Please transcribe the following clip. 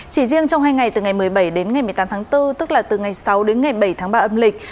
chỉ riêng trong hai ngày từ ngày một mươi bảy đến ngày một mươi tám tháng bốn tức là từ ngày sáu đến ngày bảy tháng ba âm lịch